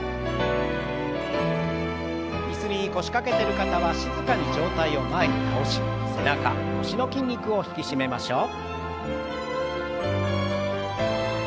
椅子に腰掛けてる方は静かに上体を前に倒し背中腰の筋肉を引き締めましょう。